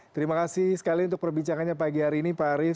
terima kasih sekali untuk perbincangannya pagi hari ini pak aris